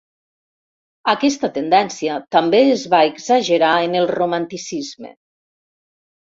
Aquesta tendència també es va exagerar en el Romanticisme.